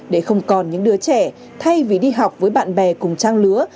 để không còn những đứa trẻ thay vì đi học với bạn bè cùng trang lứa